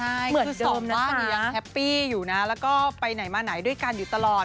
เหมือนสองบ้านเนี่ยยังแฮปปี้อยู่นะแล้วก็ไปไหนมาไหนด้วยกันอยู่ตลอด